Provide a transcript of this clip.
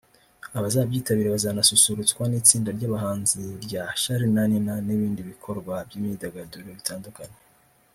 Abazabyitabira bazanasusurutswa n’itsinda ry’abahanzi rya Charly na Nina n’ibindi bikorwa by’imyidagaduro bitandukanye